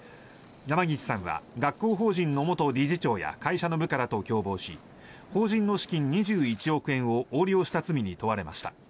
山岸さんは学校法人の元理事長や会社の部下らと共謀し法人の資金２１億円を横領した罪に問われました。